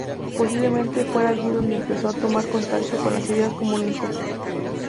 Posiblemente fuera allí donde empezó a tomar contacto con las ideas comunistas.